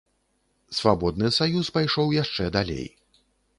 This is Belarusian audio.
Свабодны саюз пайшоў яшчэ далей.